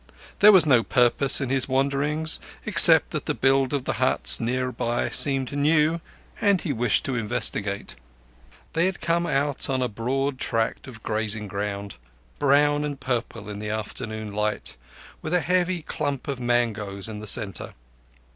There was no purpose in his wanderings, except that the build of the huts near by seemed new, and he wished to investigate. They came out on a broad tract of grazing ground, brown and purple in the afternoon light, with a heavy clump of mangoes in the centre.